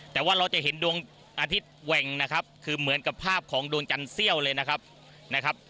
แต่ว่าเราจะเห็นดวงอาทิตย์แหว่งนะครับคือเหมือนกับภาพของดวงจันทร์เซี่ยวเลยนะครับนะครับ